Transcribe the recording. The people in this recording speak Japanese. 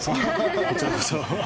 こちらこそ。